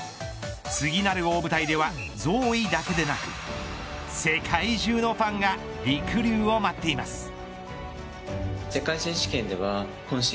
次なる大舞台ではゾーイだけでなく世界中のファンがりくりゅうを待っています。